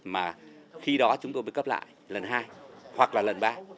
mà khi đó chúng tôi mới cấp lại lần hai hoặc là lần ba